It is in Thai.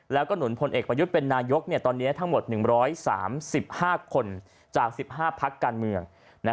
แล้วก็หนุนพลเอกประยุทธ์เป็นนายกตอนนี้ทั้งหมด๑๓๕คนจาก๑๕พักการเมือง